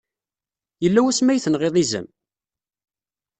Yella wasmi ay tenɣiḍ izem?